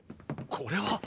これは。